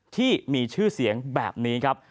ที่มีชื่อเสียงแบบนี้ครับ